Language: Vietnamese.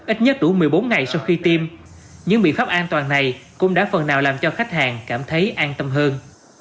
ít nhất đủ một mươi bốn ngày sau khi tiêm những biện pháp an toàn này cũng đã phần nào làm cho khách hàng cảm thấy an tâm hơn